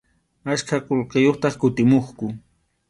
Achka qullqiyuqtaq kutimuqku.